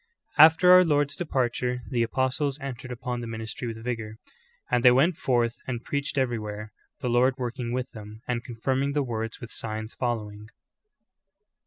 After our Lcjrd's departure the apostles entered upon tlic ministry with vigor: "And they went forth and preached everywhere, the Lord working with them, and confirming the word with signs following."